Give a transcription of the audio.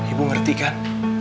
ibu ngerti kan